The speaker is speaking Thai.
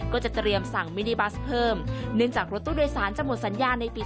ก็จะเตรียมสั่งมินิบัสเพิ่มเนื่องจากรถตู้โดยสารจะหมดสัญญาในปี๒